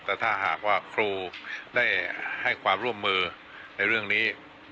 แต่ถ้าหากว่าครูได้ให้ความร่วมมือในเรื่องนี้